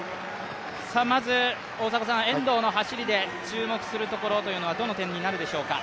まず遠藤の走りで注目するところはどの点になるでしょうか？